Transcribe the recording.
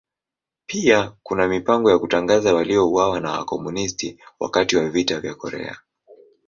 Pia kuna mipango ya kutangaza waliouawa na Wakomunisti wakati wa Vita vya Korea.